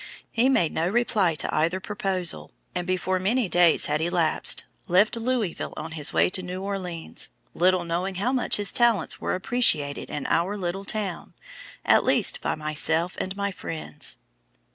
He made no reply to either proposal, and before many days had elapsed, left Louisville on his way to New Orleans, little knowing how much his talents were appreciated in our little town, at least by myself and my friends."